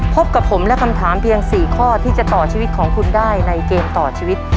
พบกับผมและคำถามเพียง๔ข้อที่จะต่อชีวิตของคุณได้ในเกมต่อชีวิต